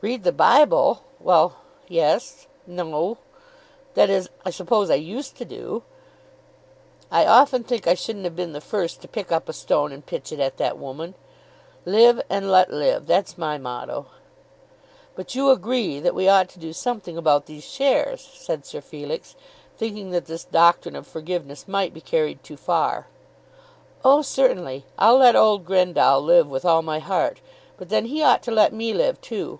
"Read the Bible! Well; yes; no; that is, I suppose, I used to do." "I often think I shouldn't have been the first to pick up a stone and pitch it at that woman. Live and let live; that's my motto." "But you agree that we ought to do something about these shares?" said Sir Felix, thinking that this doctrine of forgiveness might be carried too far. "Oh, certainly. I'll let old Grendall live with all my heart; but then he ought to let me live too.